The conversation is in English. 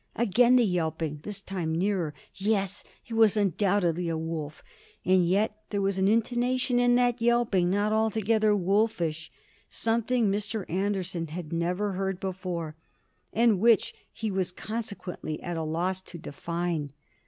Again the yelping this time nearer. Yes! it was undoubtedly a wolf; and yet there was an intonation in that yelping not altogether wolfish something Mr. Anderson had never heard before, and which he was consequently at a loss to define.